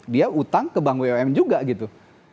dia utang ke bank bumn juga gitu